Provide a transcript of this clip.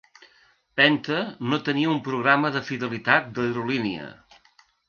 Penta no tenia un programa de fidelitat d'aerolínia.